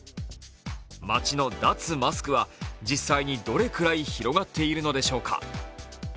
街の脱マスクは実際にどれくらい広がっているのでしょうか。